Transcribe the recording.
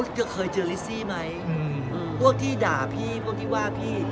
คือเคยเจอลิสซี่ไหมหัวที่ด่าพี่ว่าพี่